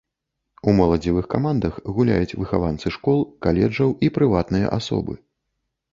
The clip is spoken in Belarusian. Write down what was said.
У моладзевых камандах гуляюць выхаванцы школ, каледжаў і прыватныя асобы.